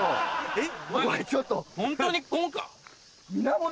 えっ？